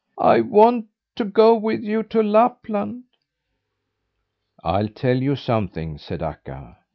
"I want to go with you to Lapland." "I'll tell you something," said Akka.